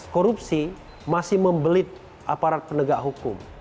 korupsi masih membelit aparat penegak hukum